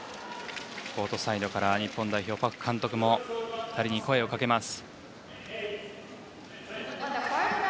コートサイドから日本代表のパク監督も２人に声をかけます。